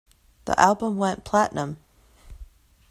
The album went platinum.